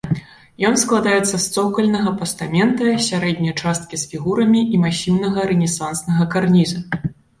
Ён складаецца з цокальнага пастамента, сярэдняй часткі з фігурамі і масіўнага рэнесанснага карніза.